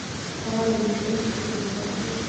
هغه د بشري حقونو دفاع کوي.